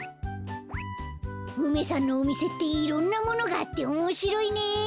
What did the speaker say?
梅さんのおみせっていろんなものがあっておもしろいね。